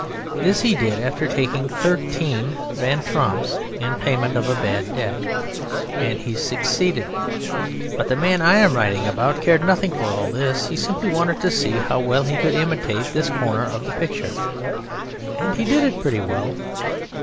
This he did after taking thirteen Van Tromps in payment of a bad debt, and he succeeded. But the man I am writing about cared nothing for all this: he simply wanted to see how well he could imitate this corner of the picture, and he did it pretty well.